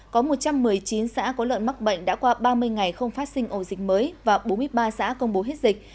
có một trăm một mươi chín xã có lợn mắc bệnh đã qua ba mươi ngày không phát sinh ổ dịch mới và bốn mươi ba xã công bố hết dịch